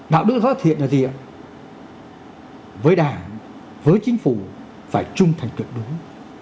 đạo đức đó thiện là gì ạ với đảng với chính phủ phải trung thành được đúng